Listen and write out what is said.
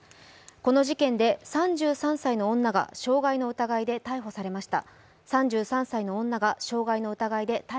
この事件で３３歳の女が傷害の疑いで逮捕されました。